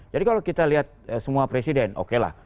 jadi kalau kita lihat semua presiden oke lah